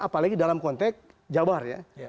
apalagi dalam konteks jawa barat